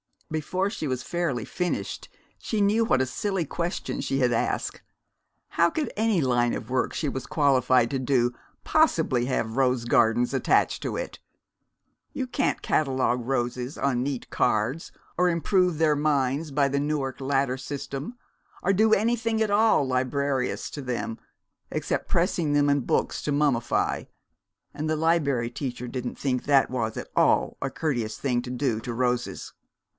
Before she was fairly finished she knew what a silly question she had asked. How could any line of work she was qualified to do possibly have rose gardens attached to it? You can't catalogue roses on neat cards, or improve their minds by the Newark Ladder System, or do anything at all librarious to them, except pressing them in books to mummify; and the Liberry Teacher didn't think that was at all a courteous thing to do to roses.